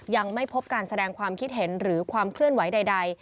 ยังไม่พบการแสดงความคิดเห็นหรือความเคลื่อนไหวใด